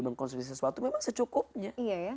mengkonsumsi sesuatu memang secukupnya